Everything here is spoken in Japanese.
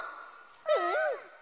うん。